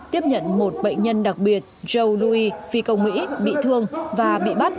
tiếp nhận một bệnh nhân đặc biệt joe louis phi công mỹ bị thương và bị bắt